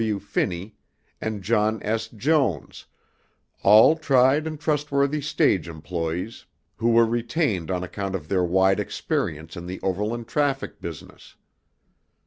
Bee, W. W. Finney, and John S. Jones, all tried and trustworthy stage employees who were retained on account of their wide experience in the overland traffic business.